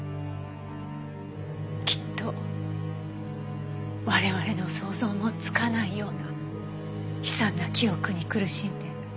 きっと我々の想像もつかないような悲惨な記憶に苦しんで。